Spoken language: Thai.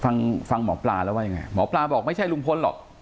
ฟังฟังหมอปลาแล้วว่ายังไงหมอปลาบอกไม่ใช่ลุงพลหรอก